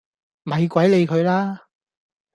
咪鬼理佢啦